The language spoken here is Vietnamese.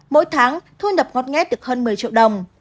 mỗi tháng thuê nập ngót nghét được hơn một mươi triệu đồng